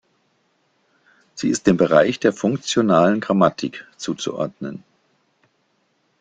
Sie ist dem Bereich der Funktionalen Grammatik zuzuordnen.